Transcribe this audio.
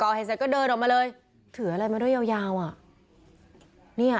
ก่อนเห็นเขาก็เดินออกมาเลยถืออะไรมาด้วยยาวไว้